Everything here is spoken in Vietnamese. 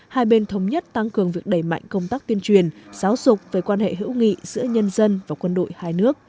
hai bên thống nhất tăng cường việc đẩy mạnh công tác tuyên truyền giáo dục về quan hệ hữu nghị giữa nhân dân và quân đội hai nước